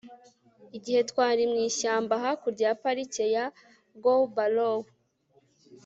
Igihe twari mu ishyamba hakurya ya Parike ya Gowbarrow